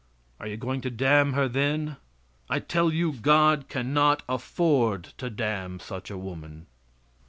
Are you going to damn her then? I tell you God can not afford to damn such a woman.